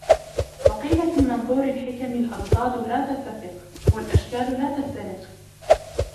وَقِيلَ فِي مَنْثُورِ الْحِكَمِ الْأَضْدَادُ لَا تَتَّفِقُ ، وَالْأَشْكَالُ لَا تَفْتَرِقُ